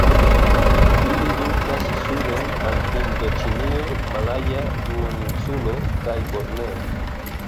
Ili vintras suden al Hindoĉinio, Malaja Duoninsulo kaj Borneo.